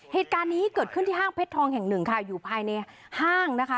เหตุการณ์นี้เกิดขึ้นที่ห้างเพชรทองแห่งหนึ่งค่ะอยู่ภายในห้างนะคะ